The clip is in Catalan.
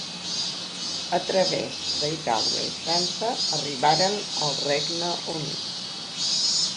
A través d'Itàlia i França arribaren al Regne Unit.